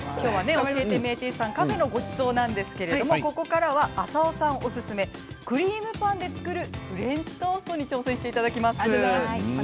カフェのごちそうなんですがここからは浅尾さんおすすめクリームパンで作るフレンチトーストに挑戦していただきます。